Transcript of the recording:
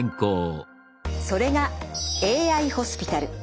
それがＡＩホスピタル。